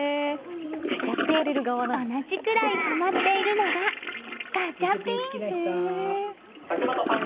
そして、同じくらいはまっているのが、ガチャピン。